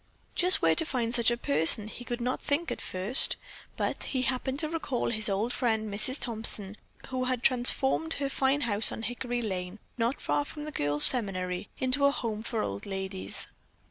Just where to find such a person he could not think at first, but he happened to recall his old friend Mrs. Thompson, who had transformed her fine house on Hickory lane, not far from the girls' seminary, into a home for old ladies.